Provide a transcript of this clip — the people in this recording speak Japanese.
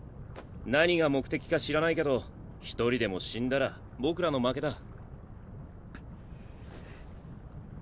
何が目的か知らないけど一人でも死んだら僕らの負けだ。